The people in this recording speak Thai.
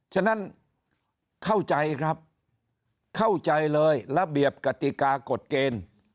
ฉะนั้นเข้าใจครับเข้าใจเลยระเบียบกติกากฎเกณฑ์